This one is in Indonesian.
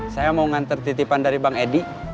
saya mau ngantar titipan dari bang edi